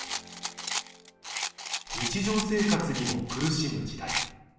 日常生活にも苦しむ時代。